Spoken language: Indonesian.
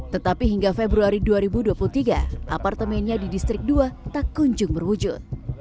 tetapi hingga februari dua ribu dua puluh tiga apartemennya di distrik dua tak kunjung berwujud